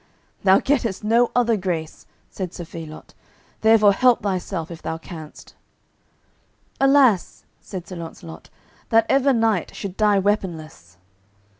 "Thou gettest no other grace," said Sir Phelot; "therefore help thyself if thou canst." "Alas," said Sir Launcelot, "that ever knight should die weaponless."